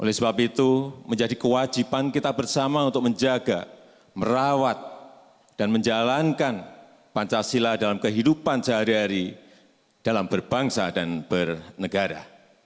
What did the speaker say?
oleh sebab itu menjadi kewajiban kita bersama untuk menjaga merawat dan menjalankan pancasila dalam kehidupan sehari hari dalam berbangsa dan bernegara